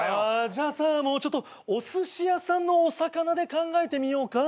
じゃあさちょっとおすし屋さんのお魚で考えてみようか。